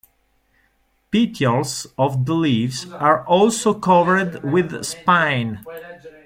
Petioles of the leaves are also covered with spines.